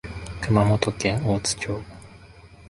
熊本県大津町